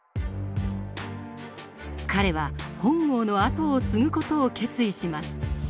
彼は本郷の後を継ぐ事を決意します。